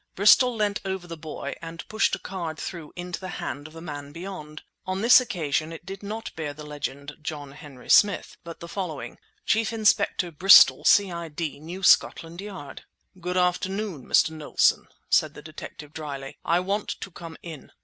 Bristol leant over the boy and pushed a card through into the hand of the man beyond. On this occasion it did not bear the legend "John Henry Smith," but the following— CHIEF INSPECTOR BRISTOL C.I.D. NEW SCOTLAND YARD "Good afternoon, Mr. Knowlson," said the detective dryly. "I want to come in!"